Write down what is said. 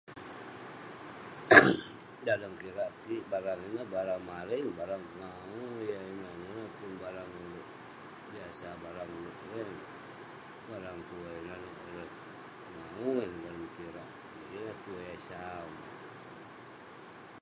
Dalem kirak kik barang ineh barang mareng barang pegau, yeng eh pun barang ineh yah biasa, barang pun eh barang tuai pegau ineh eh kirak kik yeng eh sau mah